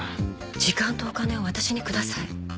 時間とお金を私にください。